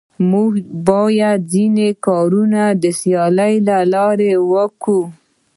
موږ بايد ځيني کارونه د سياليو له لاري وکو.